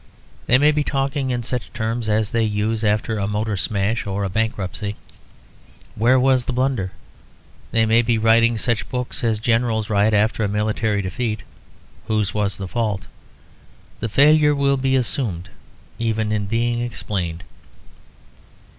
They may be talking in such terms as they use after a motor smash or a bankruptcy; where was the blunder? They may be writing such books as generals write after a military defeat; whose was the fault? The failure will be assumed even in being explained.